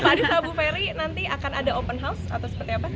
pak anies dan ibu ferry nanti akan ada open house atau seperti apa